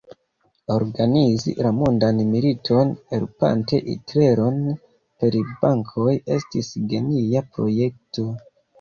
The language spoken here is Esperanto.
Organizi la mondan militon, helpante Hitleron per bankoj estis genia projekto.